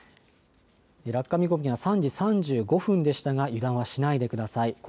落下見込みが３時３５分でしたが油断はしないでください。